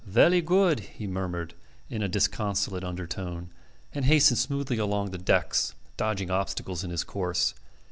"Velly good," he murmured, in a disconsolate undertone, and hastened smoothly along the decks, dodging obstacles in his course.